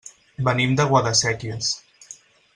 Venim de Guadasséquies.